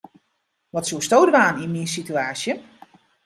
Wat soesto dwaan yn myn situaasje?